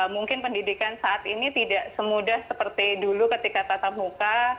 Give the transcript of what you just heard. mungkin pendidikan saat ini tidak semudah seperti dulu ketika tatap muka